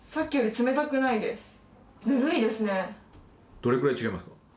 どれぐらい違います？